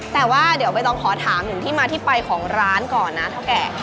แต่ว่าเดี๋ยวเบตตองสอบถามหนึ่งที่พลังมาที่ไปก่อนนะเทาแก่